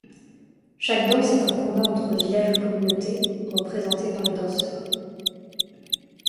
Chaque danse est un combat entre village ou communauté, représenté par le danseur.